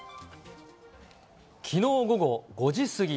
きのう午後５時過ぎ。